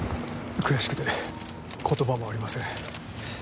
悔しくて言葉もありません。